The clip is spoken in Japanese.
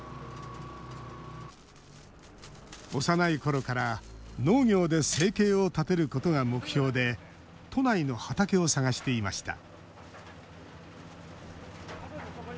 幼いころから農業で生計を立てることが目標で都内の畑を探していました